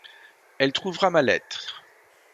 Elle trouvera ma lettre.